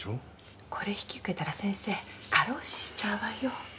これ引き受けたら先生過労死しちゃうわよ。